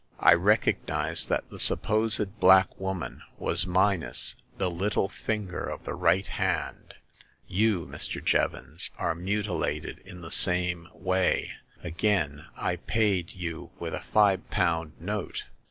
I recog nized that the supposed black woman was minus the little finger of the right hand. You, Mr. Jevons, are mutilated in the same way. Again, I paid you with a five pound note.